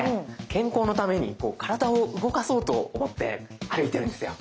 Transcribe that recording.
健康のためにこう体を動かそうと思って歩いてるんですよ。